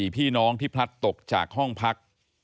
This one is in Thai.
พี่น้องที่พลัดตกจากห้องพัก